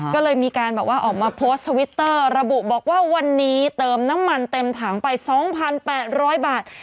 ก็เลยมีการแบบว่าออกมาโพสต์ทวิตเตอร์ระบุบอกว่าวันนี้เติมน้ำมันเต็มถังไป๒๘๐๐บาท